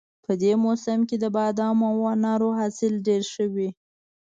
په دې موسم کې د بادامو او انارو حاصل ډېر ښه وي